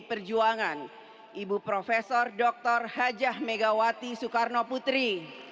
pdi perjuangan ibu profesor dr hajah megawati soekarnoputri